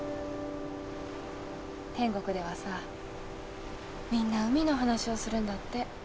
天国ではさみんな海の話をするんだって。